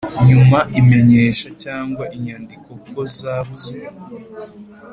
nyuma imenyesha cyangwa inyandiko kozabuze